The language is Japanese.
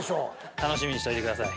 楽しみにしといてください。